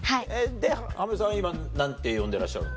で浜辺さんは今何て呼んでらっしゃるの？